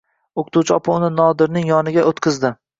O‘qituvchi opa uni Nodirning yonimga o‘tqizdi.